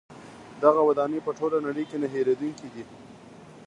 دغه ودانۍ په ټوله نړۍ کې نه هیریدونکې دي.